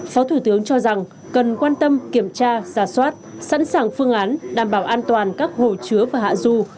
phó thủ tướng cho rằng cần quan tâm kiểm tra giả soát sẵn sàng phương án đảm bảo an toàn các hồ chứa và hạ du